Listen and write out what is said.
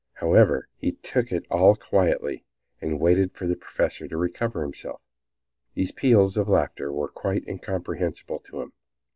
However, he took it all quietly, and waited for the professor to recover himself. These peals of laughter were quite incomprehensible to him.